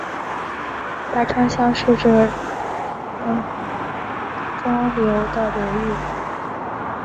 白川乡是指岐阜县内的庄川流域。